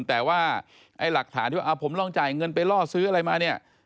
แต่ว่าหลักฐานที่ว่าเอาผมลองจ่ายเงินไปล่อซื้ออะไรมา